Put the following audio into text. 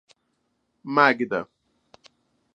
Magda